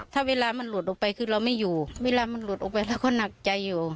ถ้าเวลามันหลุดออกไปคือเราไม่อยู่เวลามันหลุดออกไปถ้าเขาหนักใจอยู่